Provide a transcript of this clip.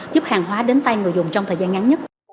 giúp hàng hóa đến tay người dùng trong thời gian ngắn nhất